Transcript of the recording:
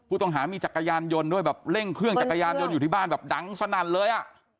ต้องมีจักรยานยนต์ด้วยแบบเร่งเครื่องจักรยานยนต์อยู่ที่บ้านแบบดังสนั่นเลยอ่ะ